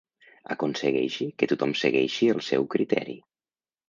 Aconsegueixi que tothom segueixi el seu criteri.